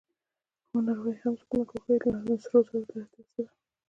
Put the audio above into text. کومه ناروغي هم څوک نه ګواښي، نو سرو زرو ته اړتیا څه ده؟